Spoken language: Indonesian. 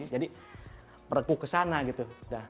jadi merekuh ke sana gitu